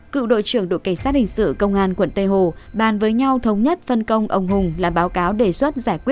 cựu đội trưởng đội cảnh sát hình sự công an quận tây hồ bàn với nhau thống nhất phân công ông hùng